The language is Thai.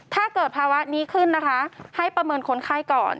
ถ้าเกิดภาวะนี้ขึ้นนะคะให้ประเมินคนไข้ก่อน